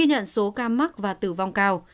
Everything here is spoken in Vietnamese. nạn số ca mắc và tử vong cao